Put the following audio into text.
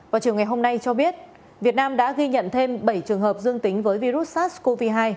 vào chiều ngày hôm nay cho biết việt nam đã ghi nhận thêm bảy trường hợp dương tính với virus sars cov hai